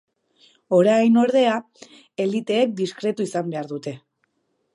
Orain, ordea, eliteek diskretu izan behar dute.